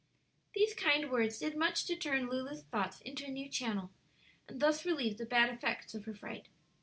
These kind words did much to turn Lulu's thoughts into a new channel and thus relieve the bad effects of her fright.